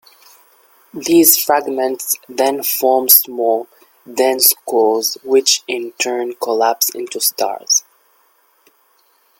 These fragments then form small, dense cores, which in turn collapse into stars.